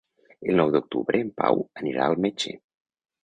El nou d'octubre en Pau anirà al metge.